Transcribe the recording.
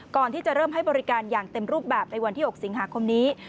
ก่อนที่จะเริ่มให้บริการอย่างเต็มรูปแบบในวันที่๖สิงหาคมนี้